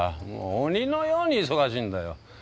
もう鬼のように忙しいんだよ。